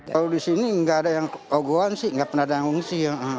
kalau di sini tidak ada yang kogohan sih tidak pernah ada yang mengungsi